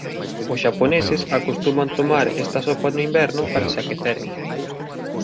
Os xaponeses acostuman tomar esta sopa no inverno para se aqueceren.